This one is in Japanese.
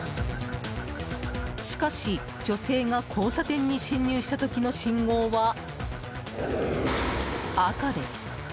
しかし、女性が交差点に進入した時の信号は赤です。